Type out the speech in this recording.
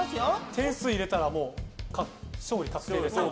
点数を入れたらもう勝利確定です。